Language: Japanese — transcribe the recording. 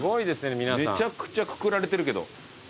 めちゃくちゃくくられてるけど。